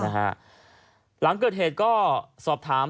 หลังเกิดเหตุก็สอบถาม